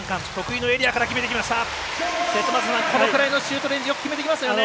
これぐらいのシュートレンジ決めてきますね。